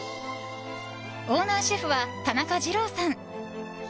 オーナーシェフは田中二朗さん。